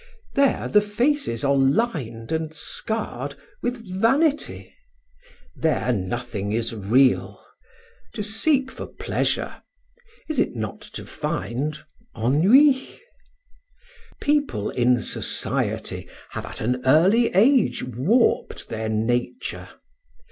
There the faces are lined and scarred with vanity. There nothing is real. To seek for pleasure is it not to find ennui? People in society have at an early age warped their nature.